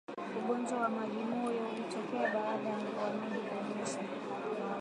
Ugonjwa wa majimoyo hutokea baada ya mvua nyingi kunyesha